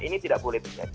ini tidak boleh terjadi